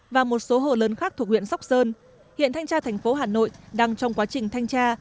và một số hồ lớn khác thuộc huyện sóc sơn hiện thanh tra thành phố hà nội đang trong quá trình thanh tra